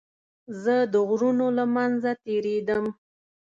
زه د غرونو له منځه تېرېدم.